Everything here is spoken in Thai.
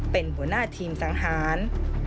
เป็นหัวหน้าทีมสังหาร